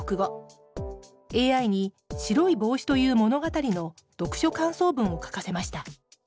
ＡＩに「白いぼうし」という物語の読書感想文を書かせました。